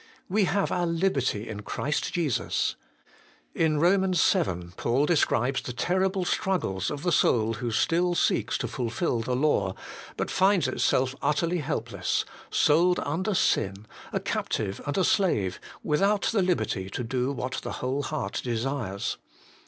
' We have our liberty in Christ Jesus.' In Rom. vii. Paul describes the terrible struggles of the soul who still seeks to fulfil the law, but finds itself utterly helpless ; sold under sin, a captive and a slave, without the liberty to do what the whole heart desires.